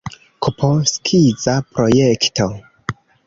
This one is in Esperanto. Kp skiza projekto.